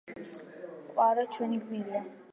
კვარა ჩვენი გმირია